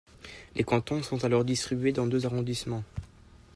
Les cantons sont alors distribués dans deux arrondissements.